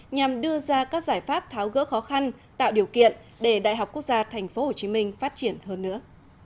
nhằm đưa ra các giải pháp tháo gỡ khó khăn tạo điều kiện để đại học quốc gia tp hcm phát triển hơn nữa